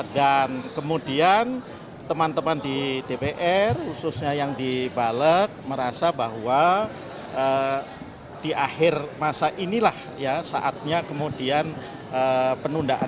dan kemudian teman teman di dpr khususnya yang dibalik merasa bahwa di akhir masa inilah saatnya kemudian penundaan